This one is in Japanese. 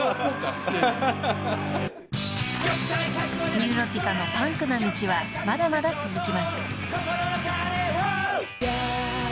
［ニューロティカのパンクな道はまだまだ続きます］